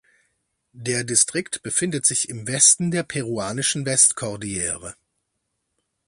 Der Distrikt befindet sich im Westen der peruanischen Westkordillere.